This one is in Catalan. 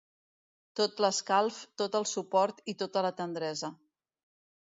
Tot l'escalf, tot el suport i tota la tendresa.